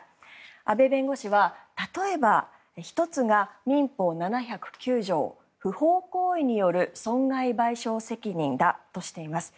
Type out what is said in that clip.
阿部弁護士は例えば１つが民法７０９条不法行為による損害賠償責任だとしています。